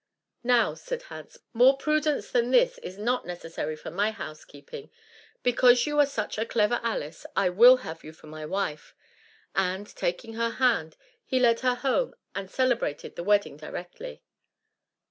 "Now," said Hans, "more prudence than this is not necessary for my housekeeping; because you are such a clever Alice, I will have you for my wife." And, taking her hand, he led her home, and celebrated the wedding directly.